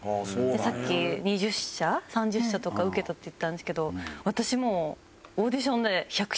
さっき２０社３０社とか受けたって言ってたんですけど私もう。